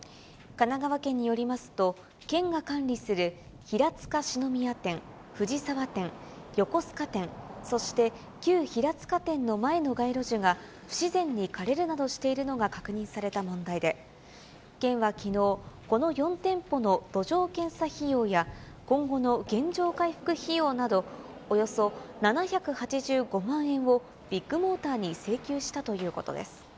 神奈川県によりますと、県が管理する平塚四之宮店、藤沢店、横須賀店、そして旧平塚店の前の街路樹が不自然に枯れるなどしたのが確認された問題で、県はきのう、この４店舗の土壌検査費用や、今後の原状回復費用など、およそ７８５万円をビッグモーターに請求したということです。